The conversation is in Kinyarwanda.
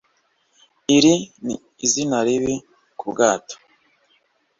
iri ni izina ribi kubwato